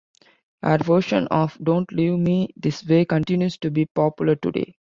Her version of "Don't Leave Me This Way" continues to be popular today.